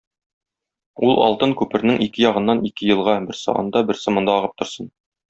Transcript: Ул алтын күпернең ике ягыннан ике елга - берсе анда, берсе монда агып торсын.